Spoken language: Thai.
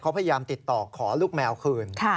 เขาพยายามติดต่อขอลูกแมวคืน